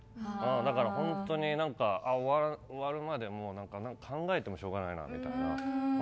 だから本当に、終わるまで考えてもしょうがないなっていう。